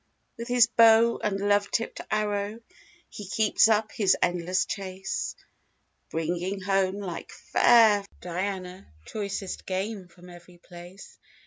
With his bow and love tipped arrow He keeps up his endless chase; Bringing home like fair Diana Choicest game from every place.